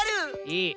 いい。